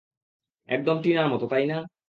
একদম টিনার মতো তাই না?